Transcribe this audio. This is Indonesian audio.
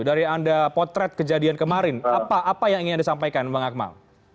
dari anda potret kejadian kemarin apa yang ingin anda sampaikan bang akmal